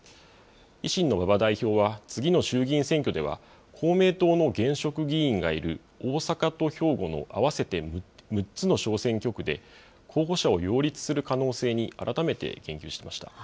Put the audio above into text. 維新の馬場代表は、次の衆議院選挙では公明党の現職議員がいる大阪と兵庫の合わせて６つの小選挙区で、候補者を擁立する可能性に改めて言及しました。